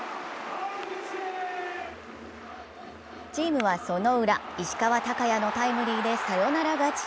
チームは、そのウラ、石川昂弥のタイムリーでサヨナラ勝ち。